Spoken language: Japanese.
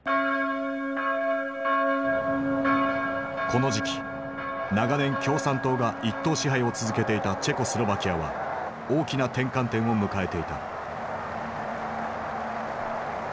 この時期長年共産党が一党支配を続けていたチェコスロバキアは大きな転換点を迎えていた。